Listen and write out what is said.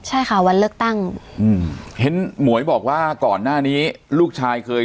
ใช่ค่ะวันเลือกตั้งอืมเห็นหมวยบอกว่าก่อนหน้านี้ลูกชายเคย